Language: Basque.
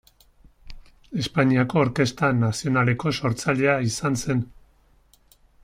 Espainiako Orkestra Nazionaleko sortzailea izan zen.